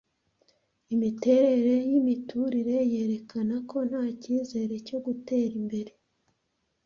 Imiterere yimiturire yerekana ko nta cyizere cyo gutera imbere.